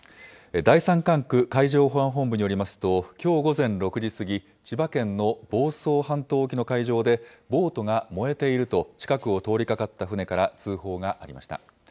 第３管区海上保安本部によりますと、きょう午前６時過ぎ、千葉県の房総半島沖の海上で、ボートが燃えていると、近くを通りかかった船から通報がありました。